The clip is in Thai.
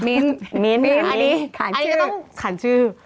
มีนอันนี้ขานชื่อ